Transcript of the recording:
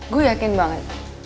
gue yakin banget